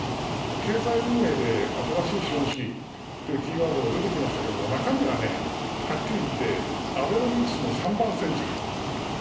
経済運営で新しい資本主義というキーワードが出てきましたけれども、中身ははっきりいって、アベノミクスの三番煎じ。